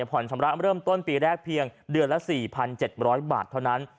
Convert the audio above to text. ผ่อนชำระเริ่มต้นปีแรกเพียงเดือนละ๔๗๐๐บาทเท่านั้น